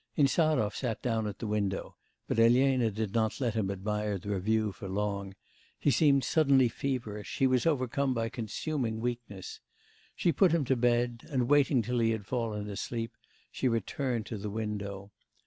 Insarov sat down at the window, but Elena did not let him admire the view for long; he seemed suddenly feverish, he was overcome by consuming weakness. She put him to bed, and, waiting till he had fallen asleep, she returned to the window.